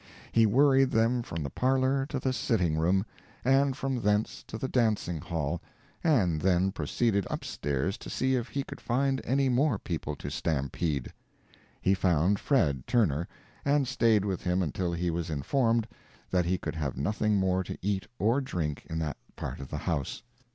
He worried them from the parlor to the sitting room, and from thence to the dancing hall, and then proceeded upstairs to see if he could find any more people to stampede. He found Fred. Turner, and stayed with him until he was informed that he could have nothing more to eat or drink in that part of the house.